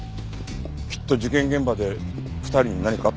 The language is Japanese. きっと事件現場で２人に何かあったんだ。